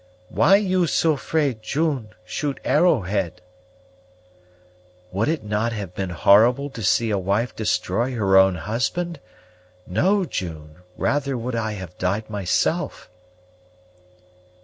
"Why you so 'fraid June shoot Arrowhead?" "Would it not have been horrible to see a wife destroy her own husband? No, June, rather would I have died myself."